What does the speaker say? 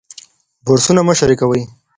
برسونه مه شریکوئ.